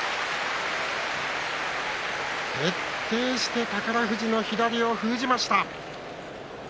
徹底して宝富士の左を封じました。